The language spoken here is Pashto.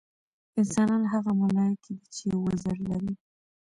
انسانان هغه ملایکې دي چې یو وزر لري.